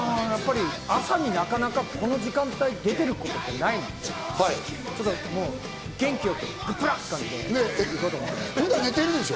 やっぱり朝に、なかなかこの時間帯出てることってないので、元気よくグップラって感じで行こうと思います。